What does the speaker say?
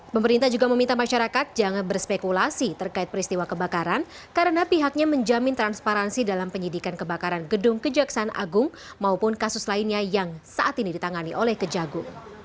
pemerintah juga meminta masyarakat jangan berspekulasi terkait peristiwa kebakaran karena pihaknya menjamin transparansi dalam penyidikan kebakaran gedung kejaksaan agung maupun kasus lainnya yang saat ini ditangani oleh kejagu